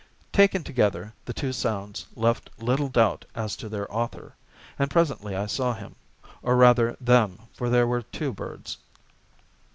Taken together, the two sounds, left little doubt as to their author; and presently I saw him, or rather them, for there were two birds.